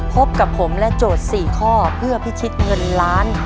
พบกับผมและโจทย์๔ข้อเพื่อพิชิตเงินล้าน